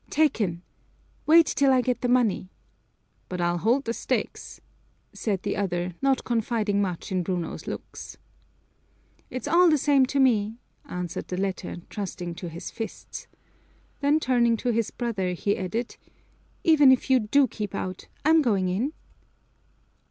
"Taken! Wait till I get the money." "But I'll hold the stakes," said the other, not confiding much in Bruno's looks. "It's all the same to me," answered the latter, trusting to his fists. Then turning to his brother he added, "Even if you do keep out, I'm going in."